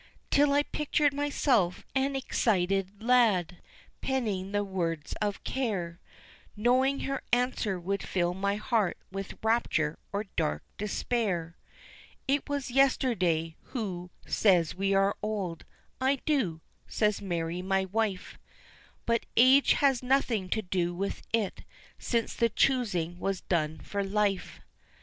Till I pictured myself an excited lad penning the words of care, Knowing her answer would fill my heart with rapture or dark despair. It was yesterday, who says we are old? "I do," says Mary, my wife, "But age has nothing to do with it, since the choosing was done for life."